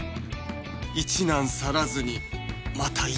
一難去らずにまた一難